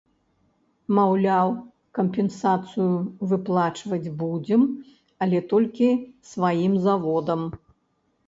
Маўляў, кампенсацыю выплачваць будзем, але толькі сваім заводам.